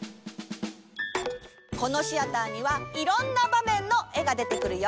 このシアターにはいろんなばめんのえがでてくるよ。